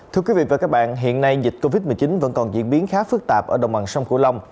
thưa quý vị và các bạn hiện nay dịch covid một mươi chín vẫn còn diễn biến khá phức tạp ở đồng bằng sông cửu long